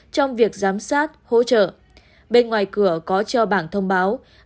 trong việc giám sát hỗ trợ bên ngoài cửa có treo bảng thông báo